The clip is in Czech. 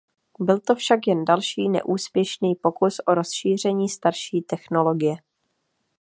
Byl to však jen další neúspěšný pokus o rozšíření starší technologie.